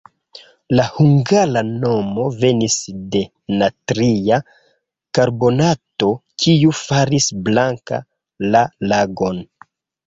La hungara nomo venis de natria karbonato, kiu faris blanka la lagon.